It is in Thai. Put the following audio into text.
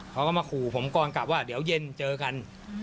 เขาก็มาขู่ผมก่อนกลับว่าเดี๋ยวเย็นเจอกัน